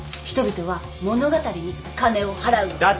人々は物語に金を払うの。